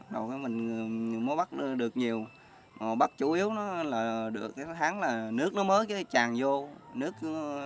đầu khi mình mới bắt được nhiều bắt chủ yếu là được cái tháng là nước nó mới chẳng chàng vô